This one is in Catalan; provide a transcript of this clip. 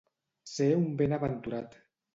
Ser un benaventurat.